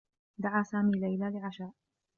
دعى سامي ليلى لعشاء.